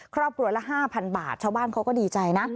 ครอบครัวละ๕๐๐๐บาทชาวบ้านเขาก็ดีใจนะ